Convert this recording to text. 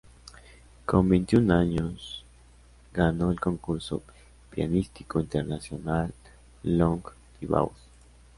Con veintiún años ganó el Concurso pianístico internacional Long-Thibaud.